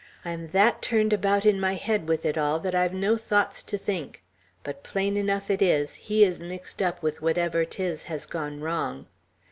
I am that turned about in my head with it all, that I've no thoughts to think; but plain enough it is, he is mixed up with whatever 'tis has gone wrong."